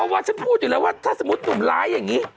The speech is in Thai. เพราะฉันพูดอยู่แล้วว่าสมมติถ้าหนุมไล่อย่างนี้